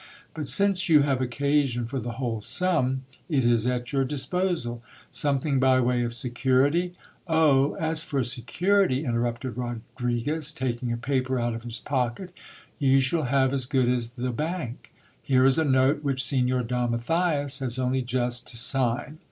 But, since you have occasion for, the whole sum, it is at your disposal. Some thing by way of security '. Oh ! as for security, interrupted Rodriguez, taking a paper out of his pocket, you shall have as good as the bank. Here is a note which Signor Don Matthias has only just to sign.